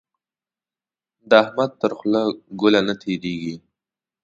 د احمد تر خوله ګوله نه تېرېږي.